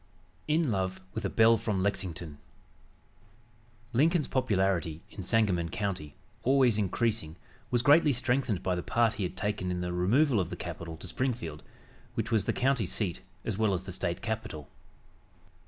IN LOVE WITH A BELLE FROM LEXINGTON Lincoln's popularity in Sangamon County, always increasing, was greatly strengthened by the part he had taken in the removal of the capital to Springfield, which was the county seat as well as the State capital.